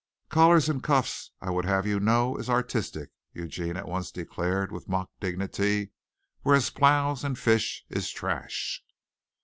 "Collars and cuffs I would have you know is artistic," Eugene at once declared with mock dignity, "whereas plows and fish is trash."